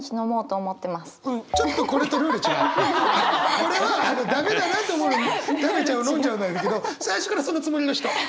これは駄目だなと思うのに食べちゃう飲んじゃうならいいけど最初からそのつもりの人。